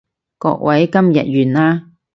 各位，今日完啦